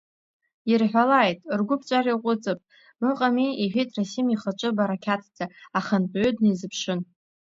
Ирҳәалааит, ргәы ԥҵәар иаҟәыҵып, ыҟами, — иҳәеит Расим, ихаҿы барақьаҭӡа ахантәаҩы днаизыԥшын.